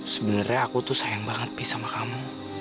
sebenernya aku tuh sayang banget pi sama kamu